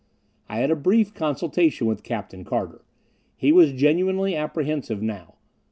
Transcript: I had a brief consultation with Captain Carter. He was genuinely apprehensive now.